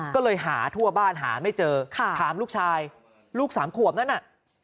ก็เลยหาทั่วบ้านหาไม่เจอถามลูกชายลูกสามขวบนั้นน่ะ